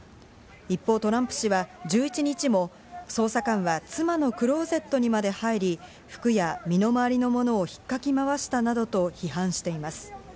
一方、トランプ氏は１１日も、捜査官は妻のクローゼットにまで入り、服や身の回りのものを引っかきまわしたなどと批判しています。